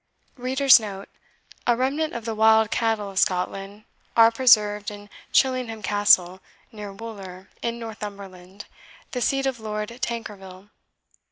[A remnant of the wild cattle of Scotland are preserved at Chillingham Castle, near Wooler, in Northumberland, the seat of Lord Tankerville.